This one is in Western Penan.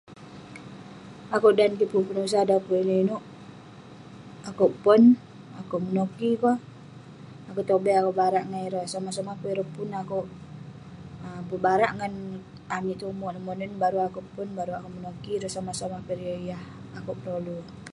Akeuk dan kik pun penusah, dan pun ineuk-ineuk, akeuk pon, akeuk menoki keh, akeuk tobai, akeuk barak ngan ireh somah-somah peh ireh pun akeuk um pebarak ngan amik tong umek ineh monen baru akeuk pon, baru akeuk menoki ireh somah-somah pe ireh yah akeuk perolu.